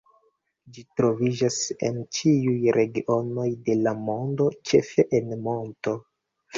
Ĝi troviĝas en ĉiuj regionoj de la mondo, ĉefe en monto.